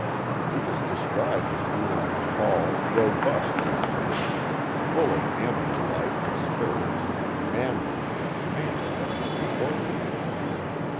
He is described as being a tall, robust young man, full of animal life and spirits, manly and commanding in his deportment.